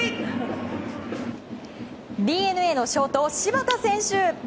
ＤｅＮＡのショート柴田選手。